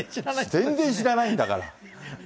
全然知らないんだから。